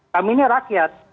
kami ini rakyat